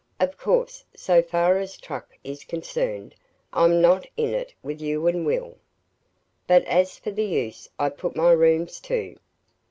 Of course, so far as truck is concerned, I'm not in it with you and Will. But as for the USE I put my rooms to